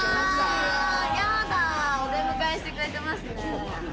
やだお出迎えしてくれてますね。